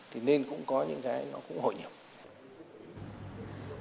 thì nên cũng có những cái nó cũng hội nhập